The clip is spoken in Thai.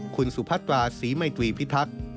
คุณสุพัตราศรีมัยตรีพิทักษ์